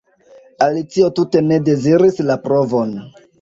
Alicio tute ne deziris la provon.